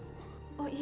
terima kasih ya dimas